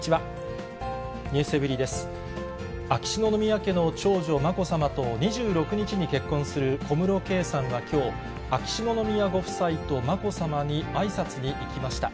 秋篠宮家の長女、まこさまと２６日に結婚する小室圭さんはきょう、秋篠宮ご夫妻とまこさまにあいさつに行きました。